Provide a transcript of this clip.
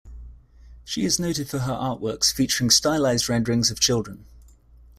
She is noted for her artworks featuring stylized renderings of children.